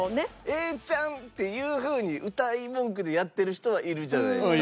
「永ちゃん」っていうふうにうたい文句でやってる人はいるじゃないですか。